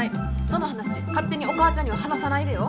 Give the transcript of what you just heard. その話勝手にお母ちゃんには話さないでよ。